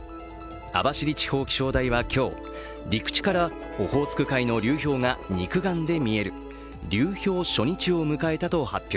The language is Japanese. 網走地方気象台は今日陸地からオホーツク海の流氷が肉眼で見える流氷初日を迎えたと発表。